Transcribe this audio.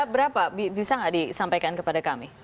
berapa bisa nggak disampaikan kepada kami